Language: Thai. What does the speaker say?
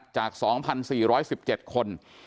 จาก๒๔๑๗คน